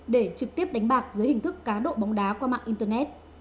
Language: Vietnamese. để trực tiếp đánh bạc dưới hình thức cá độ bóng đá qua mạng internet